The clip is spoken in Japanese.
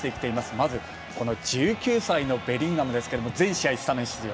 まず、１９歳のベリンガムですが全試合スタメン出場。